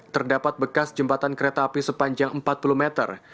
terdapat bekas jembatan kereta api sepanjang empat puluh meter